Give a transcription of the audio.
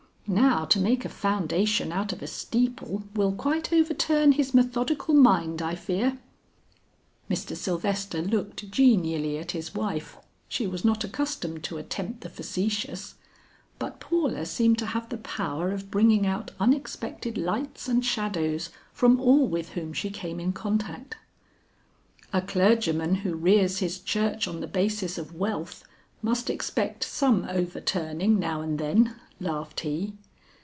Now to make a foundation out of a steeple will quite overturn his methodical mind I fear." Mr. Sylvester looked genially at his wife; she was not accustomed to attempt the facetious; but Paula seemed to have the power of bringing out unexpected lights and shadows from all with whom she came in contact. "A clergyman who rears his church on the basis of wealth must expect some overturning now and then," laughed he.